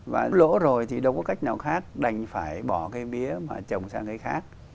và lỗ rồi thì đâu có cách nào khác đành phải bỏ cái mía mà trồng sang cái khác